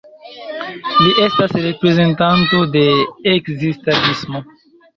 Li estas reprezentanto de Ekzistadismo.